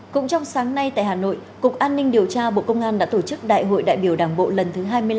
cũng trong sáng nay tại hà nội cục an ninh điều tra bộ công an đã tổ chức đại hội đại biểu đảng bộ lần thứ hai mươi năm